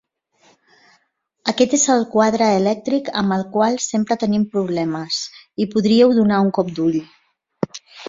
Aquest és el quadre elèctric amb el qual sempre tenim problemes, hi podríeu donar un cop d'ull.